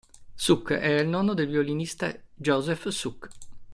Suk era il nonno del violinista Josef Suk.